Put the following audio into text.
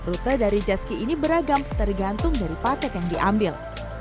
rute dari jetski ini beragam tergantung dari paket yang diambil